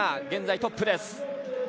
現在トップです。